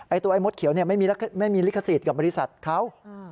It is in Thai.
ตัวไอ้มดเขียวไม่มีลิขสิทธิ์กับบริษัทเขา